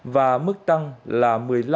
và mức tăng là một mươi năm sáu